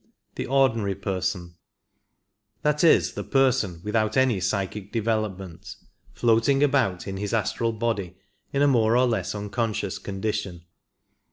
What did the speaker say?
The Ordinary Person — that is, the person without any psychic development — floating about in his astral body in a more or less unconscious condition.